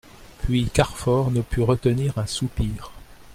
Puis Carfor ne put retenir un soupir.